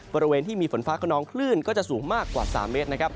บริเวณที่มีฝนฟ้าขนองคลื่นก็จะสูงมากกว่า๓เมตรนะครับ